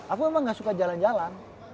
aku memang nggak suka jalan jalan